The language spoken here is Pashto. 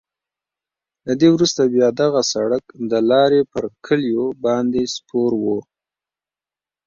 له دې وروسته بیا دغه سړک د لارې پر کلیو باندې سپور وو.